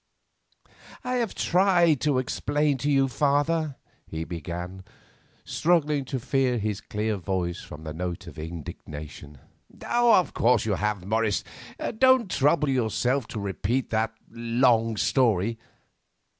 "I have tried to explain to you, father," he began, struggling to free his clear voice from the note of indignation. "Of course you have, Morris; don't trouble yourself to repeat that long story.